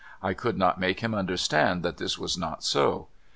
I could not make him under stand that this was not so.